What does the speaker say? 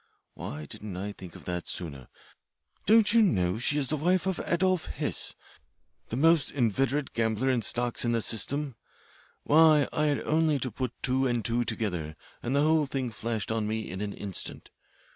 Why didn't I think of that sooner? Don't you know she is the wife of Adolphus Hesse, the most inveterate gambler in stocks in the System? Why, I had only to put two and two together and the whole thing flashed on me in an instant.